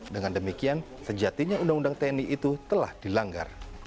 dengan demikian sejatinya undang undang tni itu telah dilanggar